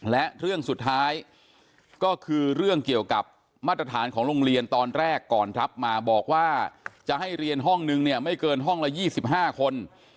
และเรื่องสุดท้ายก็คือเรื่องเกี่ยวกับมาตรฐานของโรงเรียนตอนแรกก่อนรับมาบอกว่าจะให้เรียนห้องนึงเนี่ยไม่เกินห้องละ๒๕คน